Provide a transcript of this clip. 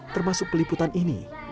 termasuk peliputan ini